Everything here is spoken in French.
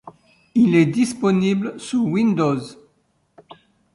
Il est disponible sous Windows.